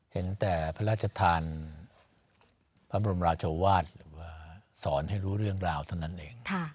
เห็นแต่พระราชทานพระบรมราชวาสหรือว่าสอนให้รู้เรื่องราวเท่านั้นเอง